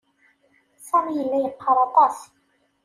Sami yella yeqqaṛ aṭas.